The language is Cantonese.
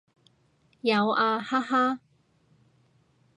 有啊，哈哈